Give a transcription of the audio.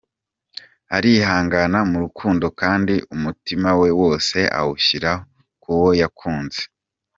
Arihangana mu rukundo kandi umutima we wose awushyira ku wo yakunze.